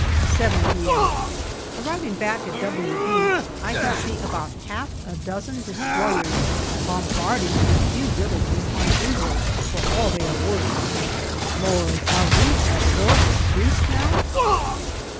7 p.m. Arriving back at " W ' Beach, I can see about half a dozen destroyers bombarding a few villages on Imbros for all they are worth. Lord ! are we at war with Greece now